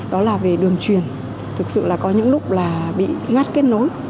đó là về đường truyền thực sự là có những lúc bị ngắt kết nối